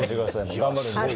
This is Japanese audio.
頑張るんで。